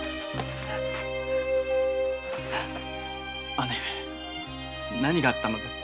姉上何があったのです？